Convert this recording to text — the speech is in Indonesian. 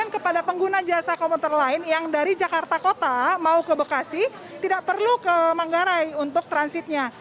akomodasi lain yang dari jakarta kota mau ke bekasi tidak perlu ke manggarai untuk transitnya